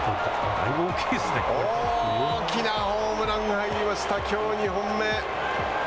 大きなホームラン入りました、きょう２本目。